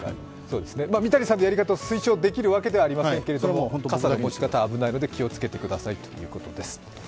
三谷さんのやり方を推奨できるわけじゃありませんけど、傘の持ち方は危ないので気をつけてくださいということです。